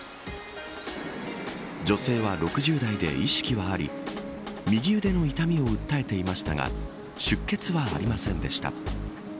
女性は６０代で意識はあり右腕の痛みを訴えていましたが出血はありませんでした。